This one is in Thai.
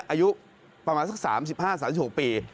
อายุประมาณสัก๓๕๓๖ปี